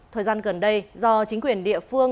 thời gian gần đây do chính quyền địa phương